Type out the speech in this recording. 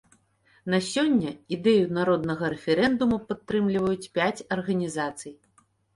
На сёння ідэю народнага рэферэндуму падтрымліваюць пяць арганізацый.